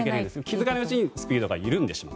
気づかないうちにスピードが緩んでしまう。